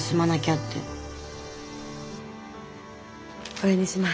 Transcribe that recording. これにします。